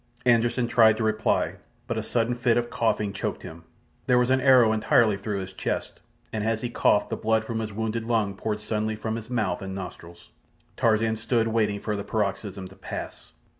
Anderssen tried to reply, but a sudden fit of coughing choked him. There was an arrow entirely through his chest, and as he coughed the blood from his wounded lung poured suddenly from his mouth and nostrils. Tarzan stood waiting for the paroxysm to pass.